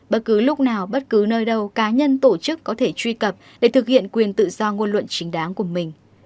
bất cứ lúc nào bất cứ nơi đâu cá nhân tổ chức có thể truy cập để thực hiện quyền tự do ngôn luận chính đáng của mình